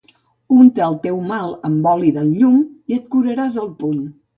Unta el teu mal amb oli del llum i et curaràs al punt.